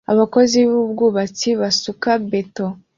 Abakozi b'ubwubatsi basuka beto